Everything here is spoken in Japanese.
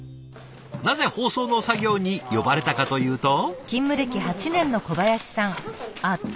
なぜ包装の作業に呼ばれたかというと。